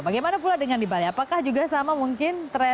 bagaimana pula dengan di bali apakah juga sama mungkin trennya